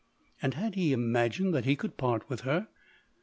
And had he imagined that he could part with her